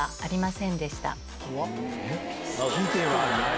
「好きではない」。